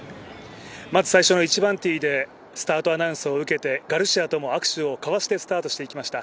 まず最初の１番ティーでスタートのアナウンスを受けてガルシアとも握手を交わして、スタートしていきました。